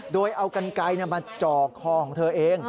โดยเอากันไกลมาจ่อคอของเธอเอง